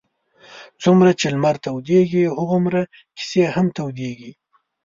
څومره چې لمر تودېږي هغومره کیسې هم تودېږي.